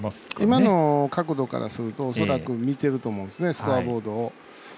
今の角度からすると恐らく見てると思うんですよねスコアボードを。